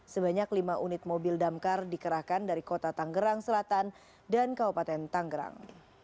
sebanyak lima unit mobil damkar dikerahkan dari kota tanggerang selatan dan kabupaten tanggerang